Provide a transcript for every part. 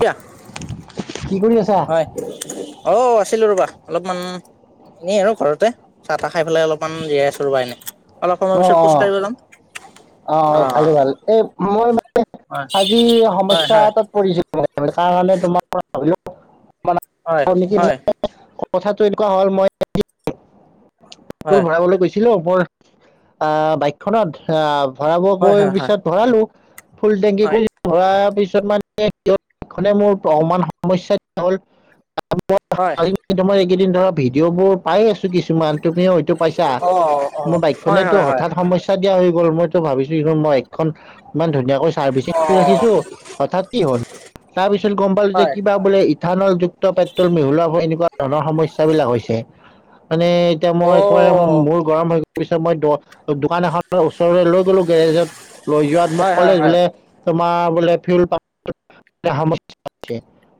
কয়া [unintelligible] কি কৰি আছা? হয়। অ', আছিলোঁ ৰ'বা অলপমান এনেই আৰু ঘৰতে, চাহ তাহ খাই পেলাই অলপমান জিৰাই আছোঁ ৰবা এনেই। অলপ সময় অ', পিছত খোজ অ', কাঢ়িব যাম। অ', ভালে ভাল এই মোৰ মানে হয় আজি সমস্যা হয় এতাত পৰিছিল হয় হয় হয় [unintelligible] [inaudible] কথাটো এনেকুৱা হল মই আজি পেট্ৰল হয় ভৰাবলৈ গৈছিলোঁ, ওপৰত আ বাইকখনত [unintelligible] ভৰাব হয় গৈ হয় পিছত ভৰালো, ফুল টেংকি হয় কৰি কৰা পিছত মানে [unintelligible] মোৰ [unintelligible] হয় হয় [unintelligible] এইকেইদিন ধৰা ভিডিঅ' বোৰ পাই আছোঁ কিছুমান তুমিও হয়টো পাইছা? অ' অ' মোৰ হয় বাইকখনেতো হয় হয় হঠাৎ সমস্যা দিয়া হৈ গ'ল, মইতো ভাবিছোঁ কি মই বাইকখন ইমান ধুনীয়াকৈ ছাৰ্ভিচিং কৰী অ' ৰাখিছোঁ, হঠাৎ কি হল? তাৰপিছত গম পালোঁ যে হয় কিবা বোলে ইথানল যুক্ত পেট্ৰল মিহলা এনেকুৱা ধৰণৰ সমস্যাবিলাক হৈছে। মানে এতিয়া মই অ' একেবাৰে মোৰ গৰম হৈ তাৰপিছত মই দ দোকান এখনৰ ওচৰলৈ লৈ গ'লো গেৰেজত, লৈ যোৱাত মোক হয় হয় ক'লে হয় বোলে তোমাৰ বোলে ফিউল পা [unintelligible]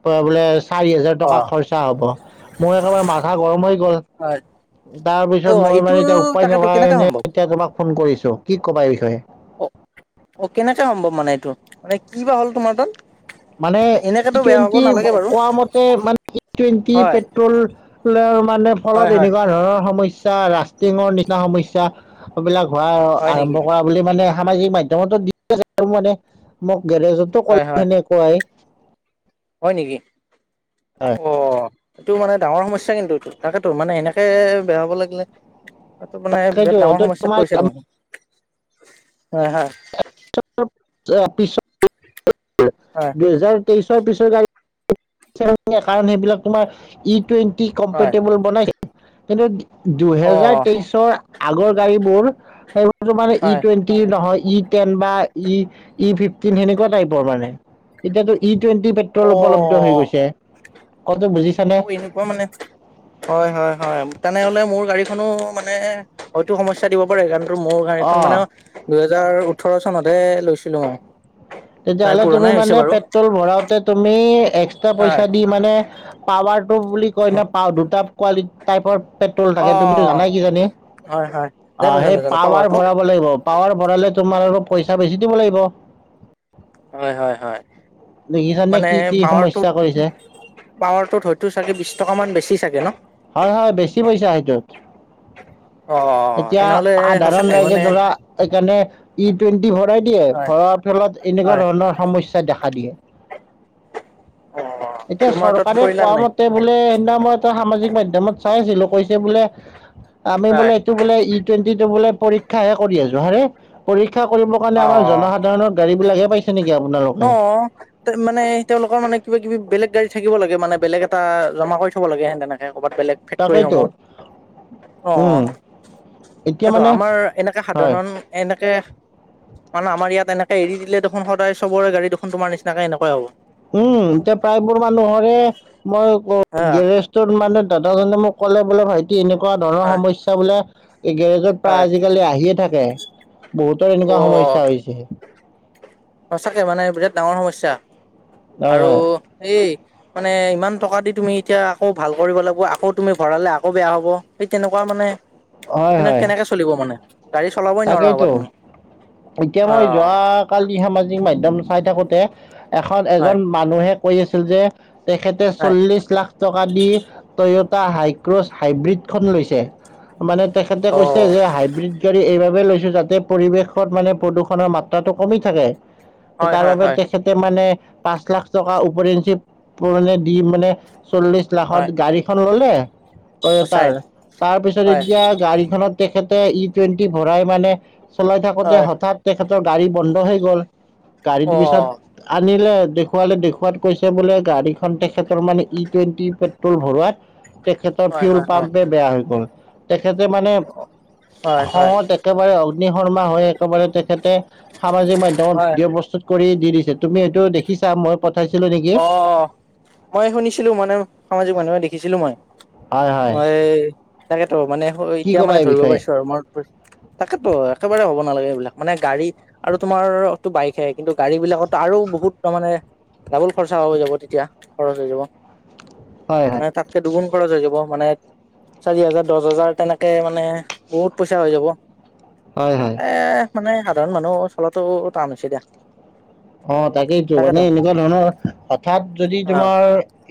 বোলে চাৰি হাজাৰ টকা অ' খৰচা হ'ব, মোৰ একেবাৰে মাথা গৰম হৈ গ'ল। হয় তাৰ পিছত অ' মই এইটো মানে এতিয়া উপায় তাকেতো কেনেকে সম্ভৱ [unintelligible] এতিয়া তোমাক ফোন কৰিছো, কি ক'বা এই বিষয়ে। অ', অ', কেনেকে সম্ভৱ মানে এইটো, মানে কি বা হ'ল তোমাৰটো। মানে ই টুৱেণ্টি বাৰু কোৱা মতে মানে [unintelligible] ই টুৱেণ্টি হয় পেট্ৰ'ল [unintelligible] মানে ফলত হয় হয় এনেকুৱা ধৰণৰ সমস্যা ৰাচ [unintelligible] নিচিনা সমস্যা, এইবিলাক হোৱাৰ হয় নেকি আৰম্ভ কৰা বুলি মানে সামাজিক মাধ্যমতো দি [unintelligible] মানে, মোক গেৰেজটো হয় ক'লে [unintelligible] হয় এনেকুৱাই। হয় নেকি, অ'। এইটো মানে ডাঙৰ সমস্যা কিন্তু এটো, তাকেতো মানে এনেকে বেয়া হ'ব লাগিলে এইটো মানে বিৰাট সেইটো ডাঙৰ সমস্যাত তোমাৰ পৰিছে, [unintelligible] হয়-হয়। [unintelligible] পিছত [unintelligible] হয়। দুহেজাৰ তেইছৰ পিছত আৰু [unintelligible] কাৰন সেইবিলাক তোমাৰ ই টুৱেণ্টি হয় কম্পেটেবল বনাইছে, কিন্তু অ দুহেজাৰ তেইছৰ আগৰ গাড়ীবোৰ, সেইবোৰ তোমাৰ ই হয় টুৱেন টি নহয়, ই টেন বা ই-ই ফিফটিন সেনেকুৱা টাইপৰ মানে, এতিয়াটো ই টুৱেণ্টি অ পেট্ৰ'ল উপলব্ধ হৈ গৈছে, কতো বুজিছ অ', [unintelligible] [unintelligible] মানে, হয় হয়-হয়, তেনেহ'লে মোৰ গাড়ীখনো মানে, হয়তো সম স্যা দিব পাৰে, কাৰণতো মোৰ গাড়ীখন অ', মানে দুহেজাৰ ওঠৰ চনতহে লৈছিলো মই। প্ৰায় তেতিয়াহ'লে তুমি পুৰণাই হৈছে মানে বাৰু পেট্ৰ'ল ভৰাওঁতে তুমি এক্সট্ৰা হয় পইচা দি মানে পাৱাৰটো বুলি কয় ন, পা দুটা কোৱালি টাইপৰ পেট্ৰ'ল অ থাকে, তুমিতো জানাই কিজানি, হয় হয় জানো অ', সেই জানো জানো পাৱাৰ পাৱাৰটো ভৰাব লাগিব। পাৱাৰ ভৰালে তোমাৰ আৰু পইচা বেছি দিব লাগিব। হয় হয়- হয়, দেখিছানে মানে কি কি পাৱাৰটোত সমস্যা কৰিছে? পাৱাৰটোত হয়তো চাগে বিছ টকামান বেছি চাগে ন। হয়- হয় বেছি পইচা সেইটোত। অ এতিয়া তেনেহ'লে সাধাৰণ সঁচাকে ৰাইজে মানে ধৰা সেইকাৰণে ই টুৱেণ্টি ভৰাই দিয়ে, হয় ভৰাৰ ফলত এনেকুৱা হয় ধৰণৰ সমস্যা দেখা দিয়ে, অ এতিয়া তোমাৰ তাত চৰকাৰে কৰিলা কোৱা নাই? মত তে বোলে সেইদিনা মই এটা সামাজিক মাধ্যমত চাই আছিলো, কৈছে বোলে, আমি হয় বোলে টো বোলে ই টুৱেণ্টিটো বোলে পৰীক্ষাহে কৰি আছো হাৰে, পৰীক্ষা কৰিবৰ কাৰণে অ আমাৰ জনসাধাৰণৰ গাড়ী বিলাকহে পাইছ ছে নেকি আপোনাৰো অ'। তে মানে তেওঁলোকৰ মানে কিবাকিবি বেলেগ গাড়ী থাকিব লাগে মানে বেলেগ এটা জমা কৰি থ'ব লাগে সেই তেনেকে ক'ৰবাত বেলেগ তাকেইতো ফেক্টৰীসমূহত। অ', উম এতিয়া তাকেতো, মানে আমাৰ এনেকে হয় সাধাৰণ এনেকে মানে আমাৰ ইয়াত এনেকে এৰি দিলে দেখোন সদায় চবৰে গাড়ী দেখুন তোমাৰ নিচিনাকে এনেকুৱাই হ'ব। উম, এতিয়া প্ৰায়বোৰ মানুহৰে মই হা [unintelligible] গেৰেজ মানে দাদাজনে মোক ক'লে বোলে ভাই এনেকুৱা ধৰণৰ হয় সমস্যাবিলাক এই গেৰেজত হয় প্ৰায় আজিকালি আহিয়ে থাকে। বহুতৰ অ এনেকুৱা সমস্যা হৈছে। সচাকে মানে বিৰাট ডাঙৰ সমস্যা, হয় আৰু হয় এই মানে ইমান টকা দি তুমি এতিয়া আকৌ ভাল কৰিব লাগিব, আকৌ তুমি ভৰালে আকৌ বেয়া হ'ব। সেই তেনেকুৱা মানে হয় তেনেকে হয় কেনেকে চলিব মানে। গাড়ী চলাবই নোৱাৰা হ'বা তাকেইতো তুমি, অ'। কালি সামাজিক মাধ্যম চাই থাকোঁতে, এখন হয় এজন মানুহে কৈ আছিল যে তেখেতে হয় চল্লিশ লাখ টকা দি টয়টা হাইক্র'ছ হাইব্ৰীডখন লৈছে। মানে তেখেতে অ কৈছে যে হাইব্ৰীড গাড়ী এইবাৰ লৈছোঁ যাতে পৰিৱেশত মানে প্ৰদূষণৰ মাত্ৰাটো কমি থাকে, হয় হয় তাৰবাবে হয় তে তাকে মানে পা‍ঁচ লাখ টকা উপৰেঞ্চি [inaudible] দি মানে চল্লিশ [unintelligible] লাখত হয় গাড়ীখন ললে সঁচাই তয়তাৰ, তাৰপিছত হয় এতিয়া গাড়ীখনত তেখেতে ই টুৱেণ্টি ভৰাই মানে চলাই থাকোঁতে হয় হঠাৎ তেখেতৰ গাড়ী বন্ধ হৈ গ'ল। অ গাড়ীটো পিছত আনিলে, দেখুৱালে দেখুৱাত কৈছে বোলে গাড়ীখন তেখেতৰ মানে ই টুৱেণ্টি পেট্ৰল ভৰোৱাত তেখেতৰ হয় ফিউল হয় হয় পাম্পে বেয়া হৈ গল, তেখেতে মানে হয় হয় খংত একেবাৰে অগ্নিশৰ্মা হৈ একেবাৰে তেখেতে সামাজিক মাধ্যমত হয় ভিডিঅ' প্ৰস্তুত কৰি দি দিছে তুমি এইটো দেখিছা মই পঠাইছিলোঁ লিংক অ', অ', মই শুনিছিলোঁ মানে সামাজিক মাধ্যমত দেখিছিলোঁ মই। হয় হয়। এই তাকেতো মানে কি এতিয়া ক'বা মানে এই ধৰিব বিষয়ে? পৰিছোঁ আৰু মই তাকেতো একেবাৰে হ'ব নালাগে এইবিলাক। মানে গাড়ী আৰু তোমাৰটো বাইকহে কিন্তু গাড়ীবিলাকটো আৰু বহুত তাৰ মানে ডাবুল খৰচা হৈ যাব তেতিয়া, খৰচ হৈ যাব। হয় হয়। হঠাৎ তেতিয়া দুগুণ খৰচ হৈ যাব, মানে চাৰি হাজাৰ, দহ হাজাৰ তেনেকে মানে বহুত পইচা হৈ যাব। হয় হয়। এ মানে সাধাৰণ মানুহ চলাটো টান হৈছে দিয়া। অ', মই তাকেইেতো, মানে তাকেতো এনেকুৱা ধৰণৰ হঠাৎ যদি অ তোমাৰ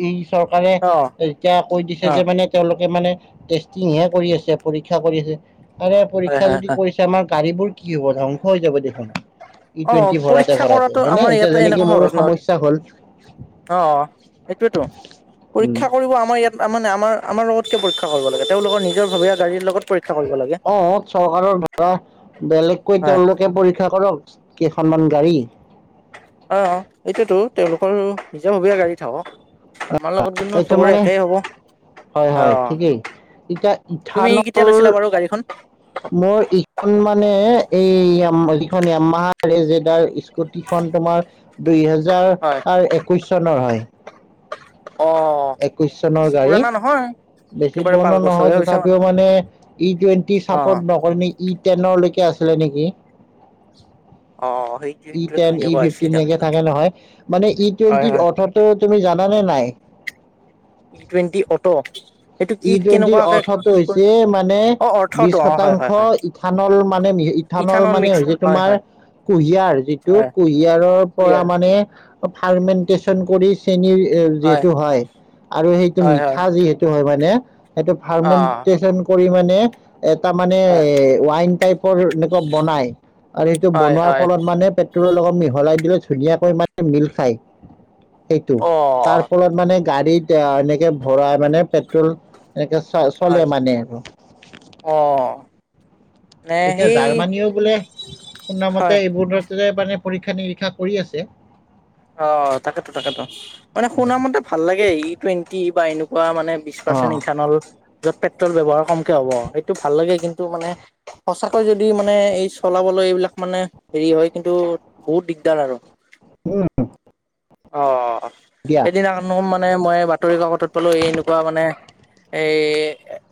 এই চৰকাৰে অ অ এতিয়া কৈ দিছে যে মানে তেওঁলোকে মানে টেষ্টিংহে কৰি আছে, পৰীক্ষা কৰি আছে আৰে হয় পৰীক্ষা হয় যদি হয় কৰিছে, আমাৰ গাড়ীবোৰ কি হব, ধ্বংস হৈ যাব দেখোন? ই অ টুৱেন্টি পৰীক্ষা ভৰাওতে-ভৰাওতে। কৰাতো হয়নে আমাৰ এতিয়া ইয়াতে যেনেকে এনেকুৱা মোৰ সহজ নহয় সমস্যা হ'ল। অ সেইটোয়েতো উম। পৰীক্ষা কত আমাৰ ইয়াত মানে আমাৰ-আমাৰ লগত কিয় পৰীক্ষা কৰিব লাগে? তেওঁলোকৰ নিজৰ ভবিয়া গাড়ীৰ লগত পৰীক্ষা কৰিব লাগে। অ', চৰকাৰৰ ধাৰা বেলেগকৈ হয় তেওঁলোকে পৰীক্ষা কৰক কেইখনমান গাড়ী। [unintelligible] অ', এটোৱেতো তেওঁলোকৰ নিজাববীয়া গাড়ী থাকক। আমাৰ লগত [unintelligible] চবৰে একেই হব। অ হয়-হয়, ঠিকেই। এতিয়া তুমি ইথানল কেতিয়া লৈছিলা বাৰু গাড়ীখন মোৰ এইখন মানে এই মানে যিখন য়ামাহাৰ ৰেই জেড আৰ ইছ যিখন তোমাৰ দুই হেজাৰ হয় একৈশ চনৰ হয়। অ একৈশ চনৰ বেছি গাড়ী। পুৰণা নহয় বেছি একেবাৰে পাঁচ পুৰণি বছৰে নহয় হৈছে তথাপিও মাত্ৰ মানে ই টুৱেণ্টি অ চাপৰ্ট নকৰে নি ই টেনলৈকে আছিলে নেকি? অ' সেইটো ই সেইটোৱেতো টেন, ই এনেকুৱা হৈছে ফিফটিন এতিয়া এনেকে থাকে নহয়? মানে ই হয় টুৱেণ্টিৰ হয় অৰ্থাৎ তুমি জানানে নাই? ই টুৱেণ্টি অ'ট ই টুৱেণ্টিৰ অৰ্থটো হৈছে মানে অ অৰ্থটো বিশ অ হয় হয় শতাংশ হয় ইথানল মানে ইথানল মানে মিক্স হৈছে হয় তোমাৰ হয় কুঁহিয়াৰ, যিটো হয় কুঁহিয়াৰৰ পৰা ক্লিয়াৰ মানে ফাৰ্মেনটচন কৰি চেনীৰ যিহেতু হয় আৰু সেইটো হয় হয় মিঠা যিহেতু হয় মানে মানে সেইটো অ ফাৰমেনতেচন কৰি মানে এটা মানে হয়, ৱাইন টাইপৰ এনেকুৱা বনাই, আৰু সেইটো হয়, বনোৱাৰ হয়, ফলত মানে পেট্ৰ'লৰ লগত মিহলাই দিলে ধুনীয়াকৈ মানে মিল খায়, সেইটো। অ', তাৰ ফলত মানে গাড়ীত এনেকে ভৰাই মানে পেট্ৰল এনেকে চ হয়, চলে মানে আৰু। অ'। নে এতিয়া সেই জাৰ্মানীও বোলে শুনা হয়, মতে এইবোৰ মানে পৰীক্ষা-নিৰীক্ষা কৰি আছে। অ', তাকেতো-তাকেতো মানে শুনা মতে ভাল লাগে ই টুৱেণ্টি বা এনেকুৱা মানে বিশ অ পাৰ্চেন্ট ইন্থানল যত পেট্ৰল ব্যৱহাৰ কমকে হ'ব সেইটো ভাল লাগে কিন্তু মানে সঁচাকৈ যদি মানে এই চলাবলৈ এইবিলাক মানে হেৰি হয় কিন্তু বহুত দিগদাৰ আৰু। উম। অ', দিয়া এদিনা [unintelligible] মানে মই বাতৰি কাকতত পালোঁ এই এনেকুৱা মানে এই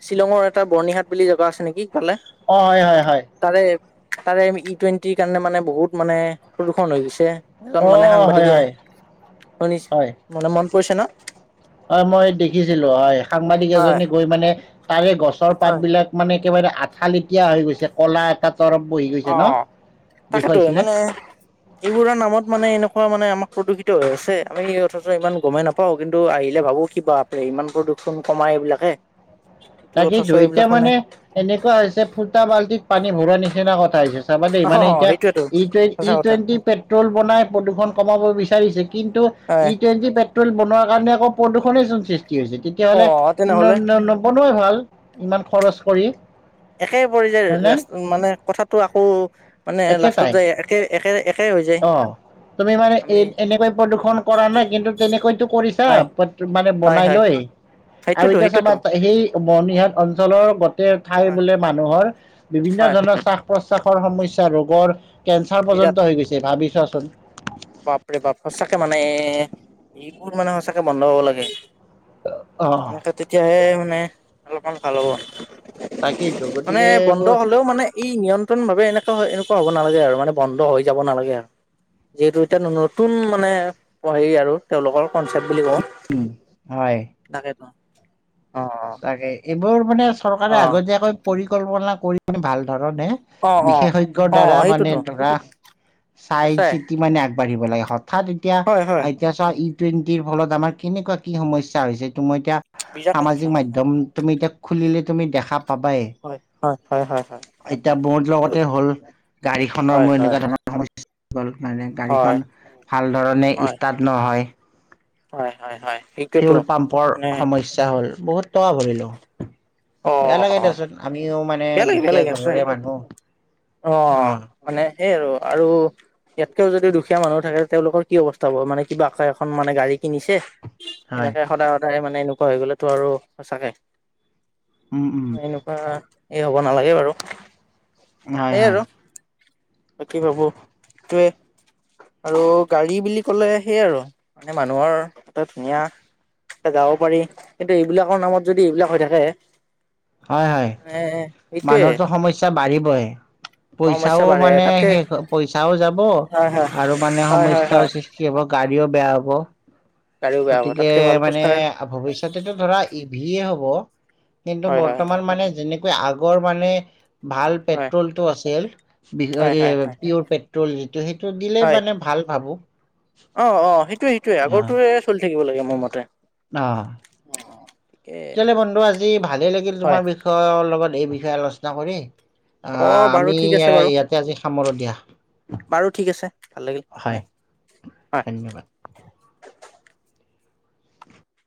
শ্বিলঙৰ এটা বৰ্ণিহাট বুলি জেগা আছে নেকি [unintelligible] অ', হয়-হয়-হয়। তাৰে-তাৰে ই টুৱেণ্টিৰ কাৰণে মানে বহুত মানে প্ৰদূষণ হৈ গৈছে। এজন অ মানে হয় সাংবাদিকে হয় শুনি, হয় মানে মনট পৰিছে ন? হয় মই দেখিছিলোঁ হয়, সাংবাদিক হয় এজনে গৈ মানে তাৰে গছৰ পাত হয় বিলাক মানে একেবাৰে আঠালেটেইয়া হৈ গৈছে কলা এটা তৰব বহি গৈছে অ ন? তাকেতো দেখুৱাইছিলে। মানে এইবোৰৰ নামত মানে এনেকুৱা মানে আমাক প্ৰদূষিত হৈ আছে আমি অথচ ইমান গমেই নাপাওঁ। প কিন্তু আহিলে ভাৱোঁ কি বাপ্ৰে, ইমান প্ৰদূষণ কমাই এইবিলাকে। কিন্তু তাকেইতো অথচ এতিয়া এইবিলাক মানে এনেকুৱা হৈছে ফুটা বাল্টিত পানী ভৰোৱা নিচিনা কথা হৈছে। চাব দেই অ মানে এতিয়া সেইটোয়েতো ই টু ই সঁচা কথা টুৱেণ্টি পেট্ৰল বনাই প্ৰদূষণ কমাব বিচাৰিছে কিন্তু ই হয় টুৱেণ্টি পে ল বনোৱাৰ কাৰণে আকৌ প্ৰদূষণে চুন সৃষ্টি হৈছে? অ তেতিয়াহ'লে তেনেহলে ন নিবনুৱাই ভাল ইমান খৰচ কৰি। একে পৰি হয়নে যায় মানে কথাতটো আকৌ মানে লাষ্টত একেটাই যায় একে-একে-একে হৈ যায়। অ তুমি মানে এ আমি এনেকৈ প্ৰদূ্ষন কৰা নাই কিন্তু তেনেকৈতো কৰিছা হয় মানে হয় বনাই হয় লৈ। আৰু সেইটোতো এতিয়া সেইটোতো চাবা সেই বৰ্ণিহাট অঞ্চলৰ গোটেই ঠাই হয় বোলে মানুহৰ বিভিন্ন হয় ধৰণৰ শ্বাস প্ৰশ্বাসৰ সমস্যা ৰোগৰ কেঞ্চাৰ পৰ্যন্ত হৈ গৈছে ভাবি চোৱাচোন। বপ্ৰে বাপ সঁচাকে মানে এ এইবোৰ মানে সচাকে বন্ধ হব লাগে। অ তেতিয়াহে মানে অলপমান ভাল হ'ব। তাকেইতো মানে গতিকে বন্ধ এইবোৰ হলেও মানে ই নিয়ন্ত্ৰণভাৱে এনেকুৱা হয় এনেকুৱা হ'ব নালাগে আৰু মানে বন্ধ হৈ যাব নালাগে আৰু। যিহেতু এতিয়া নতুন মানে হেৰি আৰু তেওঁলোকৰ কনচেপ্ট বুলি কওঁ। উম, হয়। তাকেইতো। তাকে এইবোৰ মানে চৰকাৰে অ আগতীয়াকৈ পৰিকল্পনা কৰি মানে ভাল ধৰণে অ অ অ বিশেষজ্ঞৰ অ দ্বাৰা মানে সেইটোতো ধৰা চাই সঁচাই কি মানে আগবাঢ়িব লাগে, হঠাৎ এতিয়া হয় হয় এতিয়া চাোৱা ই টুৱেণ্টিৰ ফলত আমাৰ কেনেকুৱা কি সমস্যা হৈছে এটো মই এতিয়া বিজা ক সামাজিক মাধ্যম তুমি এতিয়া খুলিলে তুমি দেখা পাবাই। হয়-হয়-হয়-হয়। এতিয়া বহুত লগতে হ'ল গাড়ীখনৰ হয় মই হয় এনেকুৱা ধৰণৰ সমস্যা। গল মানে হয় গাড়ীখন ভাল ধৰণে ষ্টাৰ্ট নহয়। হয়-হয়-হয়, শী ফিউল পাম্পৰ সমস্যা হ'ল, বহুত টকা ভৰিলোঁ। অ বেয়া লাগে দিয়াচোন আমিও মানে বেয়া লাগে বেয়া দুখীয়া লাগে সঁচাই ঘৰৰে মানুহ, অ উম মানে সেইয় আৰু। আৰু ইয়াতকেও যদি দুখীয়া মানুহ থাকে তেওঁলোকৰ কি অৱস্থা হব মানে কিবা এক এখন মানে গাড়ী কিনিছে। হয় এনেকে সদায়-সদায় মানে এনেকুৱা হৈ গলে তো আৰু সঁচাকে উম উম বা এই হ'ব নালাগে বাৰু হয় এই হয় আৰু বাকী ভাবোঁ এটোৱে। আৰু গাড়ী বুলি ক'লে সেইয় আৰু মানে মানুহৰ এটা ধুনীয়া এ যাব পাৰি কিন্তু এইবিলাকৰ নামত যদি এইবিলাক হৈ থাকে হয়-হয়। মানে সেইটোৱে মানুহৰ টো সমস্যা বাঢ়িবহে। সমস্যা পইচাও বাঢ়ে মানে তাতকে শেষ পইচাও যাব হয় হয় আৰু মানে হয় হয় সমস্যাও হয় সৃষ্টি কি হ'ব গাড়ীও বেয়া হ'ব। গাড়ীও বেয়া হ'ব গতিকে তাতকে ভাল খোজ মানে কঢ়া ভৱিষ্যতেটো ধৰা ই ভিয়ে হ'ব। কিন্তু হয় হয় বৰ্তমান হয় মানে যেনেকৈ আগৰ মানে ভাল হয় পেট্ৰলটো আছিল, [unintelligible] হয় হয় হয় পিয়ৰ পেট্ৰল টো সেইটো দিলে হয় মানে ভাল ভাৱোঁ। অ', অ', সেইটোৱে-সেইটোৱে। আগৰটোৱে চলি থাকিব লাগে মোৰ মতে। অ'। ঠিকে তেতিয়াহলে বন্ধু আজি ভালে লাগিল হয় তোমাৰ বিষয় বিষয়ৰ লগত এই বিষয়ে আলোচনা কৰি। আ অ বাৰু আমি ঠিক আছে বাৰু ইয়াতে আজি সামৰোঁ দিয়া। বাৰু ঠিক আছে, ভাল লাগিল, হয়। হয় ধন্যবাদ।